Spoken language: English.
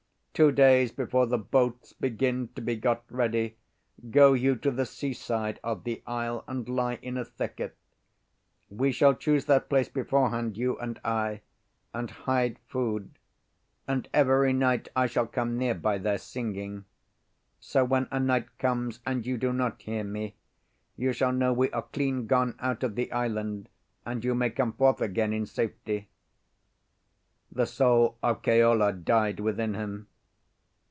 Two days before the boats begin to be got ready, go you to the sea side of the isle and lie in a thicket. We shall choose that place before hand, you and I; and hide food; and every night I shall come near by there singing. So when a night comes and you do not hear me, you shall know we are clean gone out of the island, and you may come forth again in safety." The soul of Keola died within him.